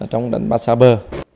trong đánh bắt xa bờ